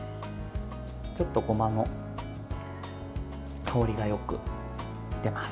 ちょっとごまの香りがよく出ます。